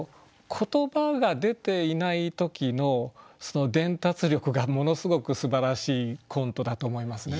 言葉が出ていない時の伝達力がものすごくすばらしいコントだと思いますね。